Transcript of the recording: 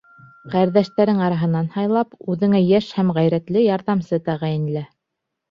— Ҡәрҙәштәрең араһынан һайлап, үҙеңә йәш һәм ғәйрәтле ярҙамсы тәғәйенлә.